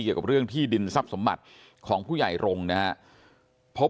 เกี่ยวกับเรื่องที่ดินทรัพย์สมบัติของผู้ใหญ่รงค์นะครับ